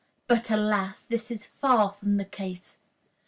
But, alas! this is far from being the case.